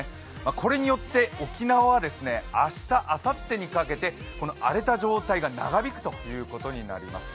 これによって沖縄は明日、あさってにかけて荒れた状態が長引くということになります。